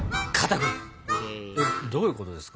どういうことですか？